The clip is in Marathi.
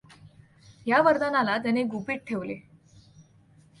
ह्या वरदानाला त्याने गुपित ठेवले.